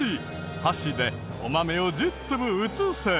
箸でお豆を１０粒移せ。